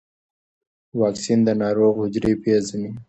واکسین د ناروغ حجرې پېژني.